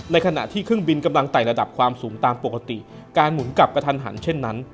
ขณะที่เครื่องบินกำลังไต่ระดับความสูงตามปกติการหมุนกลับกระทันหันเช่นนั้น